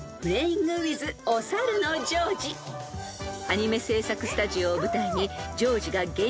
［アニメ制作スタジオを舞台に］